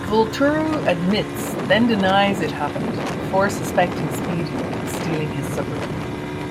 Vulturo admits, then denies it happened, before suspecting Speedy of stealing his supper.